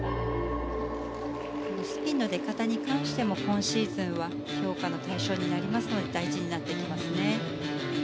スピンの出方に関しても今シーズンは評価の対象になりますので大事になっていきますね。